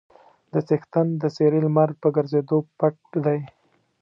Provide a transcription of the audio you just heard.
د څښتن د څېرې لمر په ګرځېدو پټ دی.